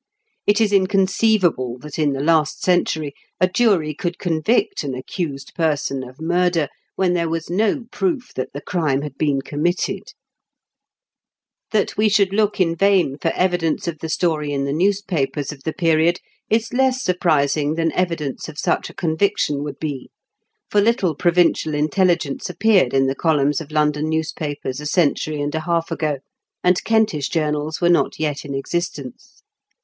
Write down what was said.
It is inconceivable that, in the last century, a jury could convict an accused person of murder when there was no proof that the crime had been committed. That we THE 8TQBY INVESTIQATED. 219 should look in vain for evidence of the story in the newspapers of the period is less sur prising than evidence of such a conviction would be; for little provincial intelligence appeared in the columns of London news papers a century and a half ago, and Kentish journals were not yet in existence.